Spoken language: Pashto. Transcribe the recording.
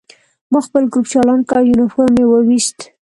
ما خپل ګروپ چالان کړ او یونیفورم مې وویست